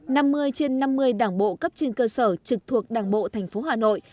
năm mươi trên năm mươi đảng bộ cấp trên cơ sở trực thuộc đảng bộ tp hà nội